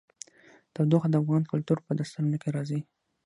تودوخه د افغان کلتور په داستانونو کې راځي.